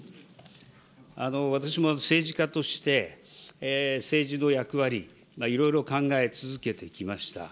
私も政治家として、政治の役割、いろいろ考え続けてきました。